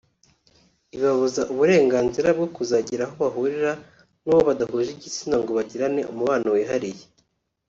ibibabuza uburenganzira bwo kuzagira aho bahurira n’uwo badahuje igitsina ngo bagirane umubano wihariye